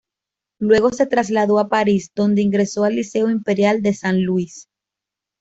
Luego se trasladó a Paris, donde ingresó al Liceo Imperial de San Luis.